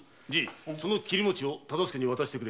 その切餅を大岡に渡してくれ。